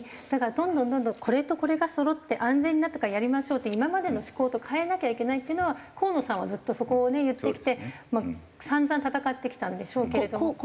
だからどんどんどんどんこれとこれがそろって安全になったからやりましょうって今までの思考と変えなきゃいけないっていうのは河野さんはずっとそこをね言ってきて散々戦ってきたんでしょうけれども。